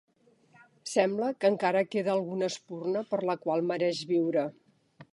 Sembla que encara queda alguna espurna per la qual mereix viure.